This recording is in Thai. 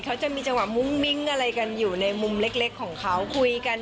เขาจะมีจังหวะมุ้งมิ้งอะไรกันอยู่ในมุมเล็กของเขาคุยกัน